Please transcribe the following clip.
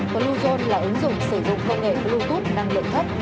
bluezone là ứng dụng sử dụng công nghệ bluetooth năng lượng thấp